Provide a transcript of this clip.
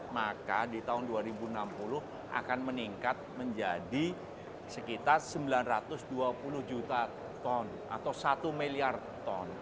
maka di tahun dua ribu enam puluh akan meningkat menjadi sekitar sembilan ratus dua puluh juta ton atau satu miliar ton